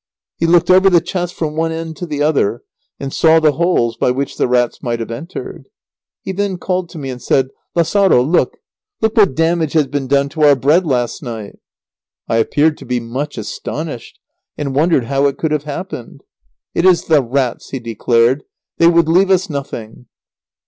He looked over the chest from one end to the other, and saw the holes by which the rats might have entered. He then called to me and said: "Lazaro, look! Look what damage has been done to our bread last night!" I appeared to be much astonished, and wondered how it could have happened. [Sidenote: It was the rats.] "It is the rats," he declared, "they would leave us nothing."